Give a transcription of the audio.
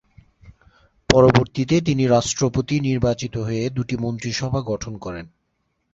পরবর্তীতে তিনি রাষ্ট্রপতি নির্বাচিত হয়ে দুটি মন্ত্রিসভা গঠন করেন।